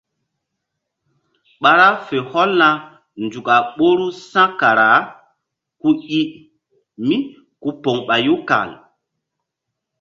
Ɓa ra fe hɔlna nzuk a ɓoru sa̧kara ku i míku poŋ ɓayu kan.